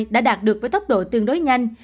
đã đạt được với tốc độ tương đối nhanh